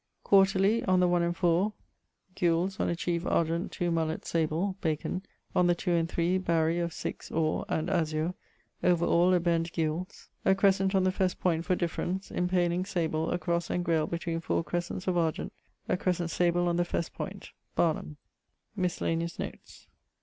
_> Quarterly, on the 1 and 4, gules on a chief argent two mullets sable [Bacon], on the 2 and 3, barry of six or and azure, over all a bend gules [...], a crescent on the fesse point for difference; impaling, sable, a cross engrailed between 4 crescents argent, a crescent sable on the fesse point [Barnham]. <_Miscellaneous Notes.